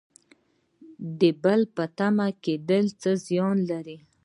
د بل په تمه کیدل څه زیان لري؟